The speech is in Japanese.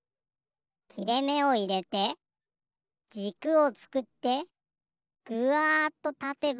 きれめをいれてじくをつくってぐわっとたてば。